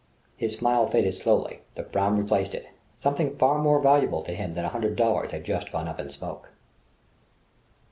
His smile faded slowly; the frown replaced it: something far more valuable to him than a hundred dollars had just gone up in smoke